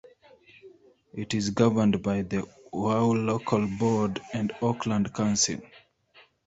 It is governed by the Whau Local Board and Auckland Council.